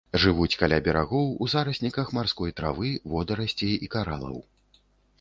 Жывуць каля берагоў у зарасніках марской травы, водарасцей і каралаў.